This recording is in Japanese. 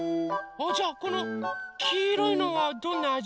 あじゃあこのきいろいのはどんなあじ？